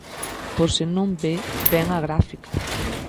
Por se non ve ben a gráfica.